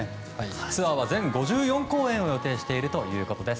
ツアーは全５４公演を予定しているということです。